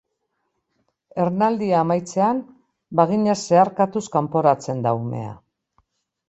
Ernaldia amaitzean, bagina zeharkatuz kanporatzen da umea.